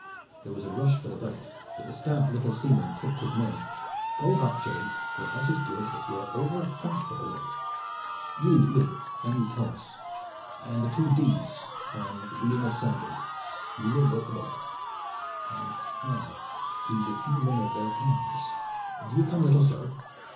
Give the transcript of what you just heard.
There was a rush for the boat; but the stout little seaman picked his men. "Go back, Jerry! Your heart is good, but you are overfat for the work. You, Luke, and you, Thomas, and the two Deedes, and William of Sandgate. You will work the boat. And now we need a few men of their hands. Do you come, little sir?"